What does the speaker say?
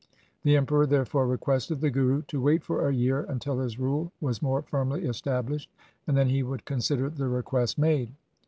The Emperor therefore requested the Guru to wait for a year until his rule was more firmly established, and then he would consider the request made.